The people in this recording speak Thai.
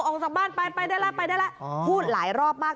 ออกจากบ้านไปไปได้แล้วพูดหลายรอบมาก